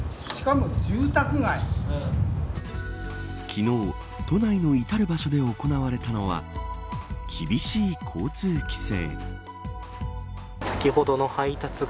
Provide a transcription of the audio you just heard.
昨日、都内の至る場所で行われたのは厳しい交通規制。